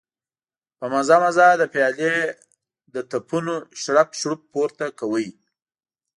په مزه مزه د پيالې له تپونو شړپ شړوپ پورته کاوه.